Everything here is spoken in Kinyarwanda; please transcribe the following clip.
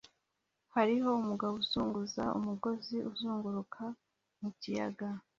Hariho umugabo uzunguza umugozi uzunguruka mu kiyaga